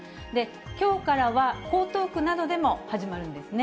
きょうからは、江東区などでも始まるんですね。